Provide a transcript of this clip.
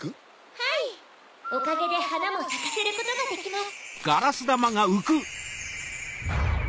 ・はい・・おかげではなもさかせることができます